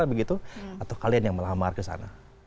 atau gitu atau kalian yang melamar ke sana